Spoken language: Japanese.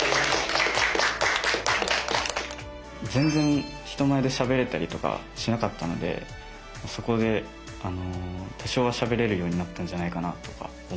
全然人前でしゃべれたりとかしなかったのでそこであの多少はしゃべれるようになったんじゃないかなとか思ってます。